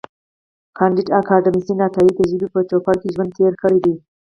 کانديد اکاډميسن عطایي د ژبې په چوپړ کې ژوند تېر کړی دی.